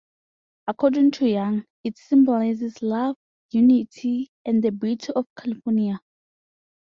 According to Young, it symbolizes love, unity, and the beauty of California.